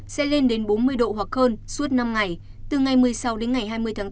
sẽ lên đến bốn mươi độ hoặc hơn suốt năm ngày từ ngày một mươi sáu đến ngày hai mươi tháng tám